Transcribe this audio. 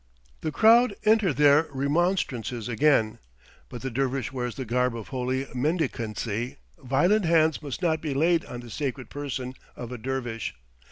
The crowd enter their remonstrances again; but the dervish wears the garb of holy mendicancy; violent hands must not be laid on the sacred person of a dervish.